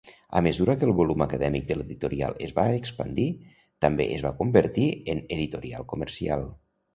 A mesura que el volum acadèmic de l'editorial es va expandir, també es va convertir en editorial comercial.